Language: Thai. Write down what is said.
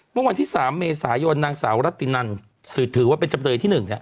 เมื่อวันที่๓เมษายนนางสาวรัตตินันถือว่าเป็นจำเลยที่๑